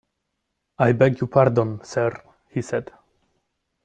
"I beg your pardon, sir," he said.